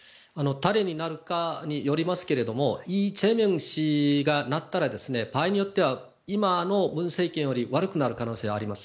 誰になるかによりますけどイ・ジェミョン氏がなったら場合によっては今の文政権より悪くなる可能性があります。